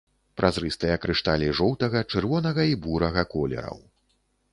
Празрыстыя крышталі жоўтага, чырвонага і бурага колераў.